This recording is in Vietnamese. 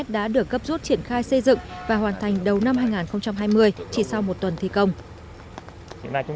đã được cấp rút triển khai xây dựng và hoàn thành đầu năm hai nghìn hai mươi chỉ sau một tuần thi công